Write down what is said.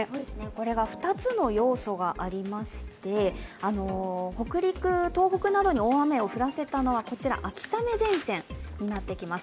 これが２つの要素がありまして北陸、東北などに大雨を降らせたのがこちら、秋雨前線になってきます。